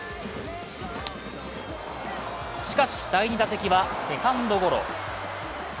しかし、第２打席はセカンドゴロ。